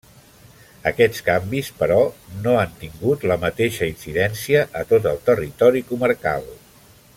Aquests canvis, però, no han tingut la mateixa incidència a tot el territori comarcal.